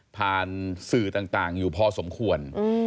ผ่านสื่อต่างอยู่พอสมควร